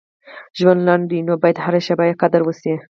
• ژوند لنډ دی، نو باید هره شیبه یې قدر وشي.